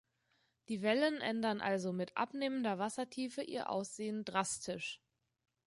Die Wellen ändern also mit abnehmender Wassertiefe ihr Aussehen drastisch.